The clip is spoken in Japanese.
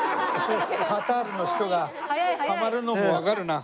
カタールの人がハマるのもわかるな。